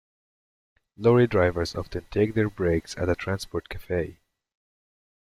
Lorry drivers often take their breaks at a transport cafe